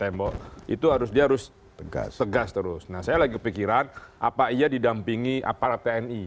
mengingi aparat tni